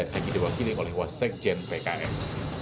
ketua umumnya dihadiri oleh wakil yang oleh wasek jen pks